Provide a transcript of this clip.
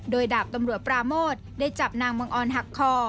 โดยดาบตำรวจปราโมทได้จับนางมังออนหักคอ